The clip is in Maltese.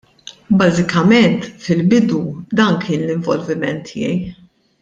Bażikament, fil-bidu dan kien l-involviment tiegħi.